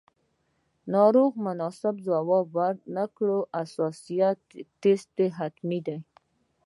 او ناروغ مناسب ځواب ورنکړي، حساسیت ټسټ حتمي دی.